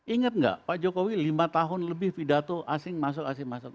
ingat nggak pak jokowi lima tahun lebih pidato asing masuk asing masuk